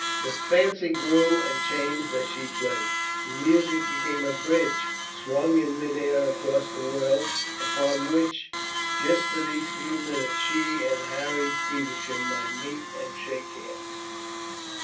The fancy grew and changed as she played. The music became a bridge swung in mid air across the world, upon which just for these few minutes she and Harry Feversham might meet and shake hands.